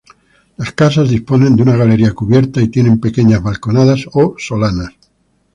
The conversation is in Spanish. Las casas disponen de una galería cubierta y tienen pequeñas balconadas o solanas.